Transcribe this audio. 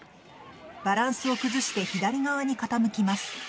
バランスを崩して左側に傾きます。